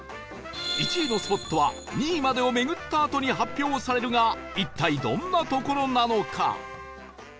１位のスポットは２位までを巡ったあとに発表されるが一体どんな所なのか？